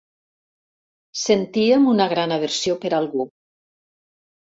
Sentíem una gran aversió per algú.